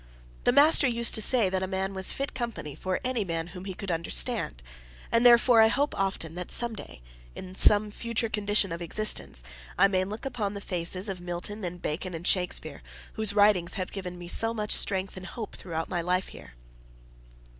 The master used to say that a man was fit company for any man whom he could understand, and therefore I hope often that some day, in some future condition of existence, I may look upon the faces of Milton and Bacon and Shakspere, whose writings have given me so much strength and hope throughout my life here.